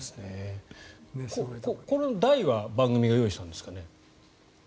この台は番組が用意したんですかね？